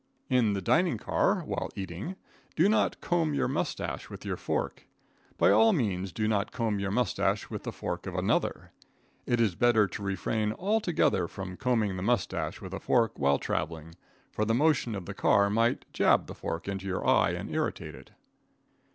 In the dining car, while eating, do not comb your moustache with your fork. By all means do not comb your moustache with the fork of another. It is better to refrain altogether from combing the moustache with a fork while traveling, for the motion of the train might jab the fork into your eye and irritate it.